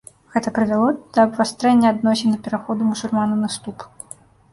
Гэта прывяло да абвастрэння адносін і пераходу мусульман у наступ.